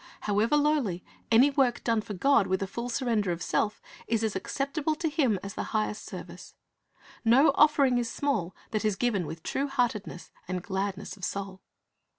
However lowly, any work done for God with a full surrender of self, is as acceptable to Him as the highest service. No offering is small that is given with true hearted ness and gladness of soul.